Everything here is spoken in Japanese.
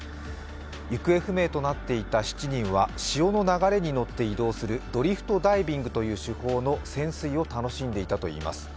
行方不明となっていた７人は潮の流れに乗って移動するドリフトダイビングという手法の潜水を楽しんでいたといいます。